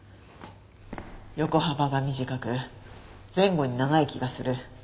横幅が短く前後に長い気がする。